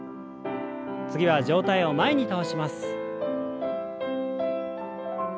次は上体を前に倒します。